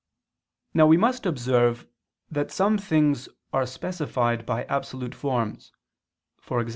Now we must observe that some things are specified by absolute forms, e.g.